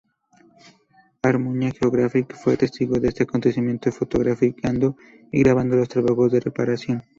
Armuña Geographic fue testigo de este acontecimiento, fotografiando y grabando los trabajos de reparación.